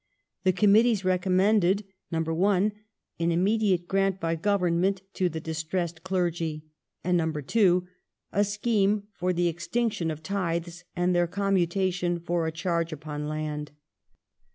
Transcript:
The Committees re commended (1) an immediate grant by Government to the dis tressed clergy, and (2) a '' scheme for the^ extinction of tithes and their commutation for a charge upon land